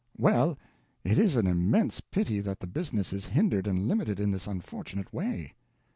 "Well, it is an immense pity that the business is hindered and limited in this unfortunate way."